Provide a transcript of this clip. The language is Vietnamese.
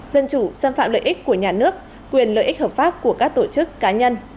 dân chủ xâm phạm lợi ích của nhà nước quyền lợi ích hợp pháp của các tổ chức cá nhân